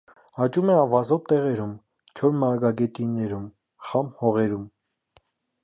Աճում է ավազոտ տեղերում, չոր մարգագետիններում, խամ հողերում։